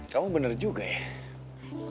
kamu bener juga ya